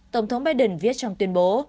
tổng thống biden viết trong tuyên bố